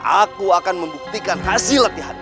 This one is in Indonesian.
aku akan membuktikan hasil latihan